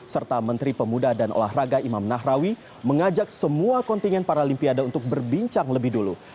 serta menteri pemuda dan olahraga imam nahrawi mengajak semua kontingen paralimpiade untuk berbincang lebih dulu